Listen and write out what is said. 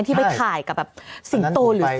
ที่ไปถ่ายกับสิงโต